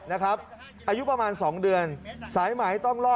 อายุประมาณ๒เดือนสายไหมต้องล่อ